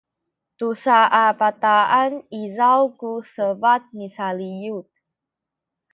tusa a bataan izaw ku sepat misaliyut